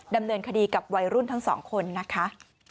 ดำเนินคดีกับวัยรุ่นทั้งสองคนนะคะ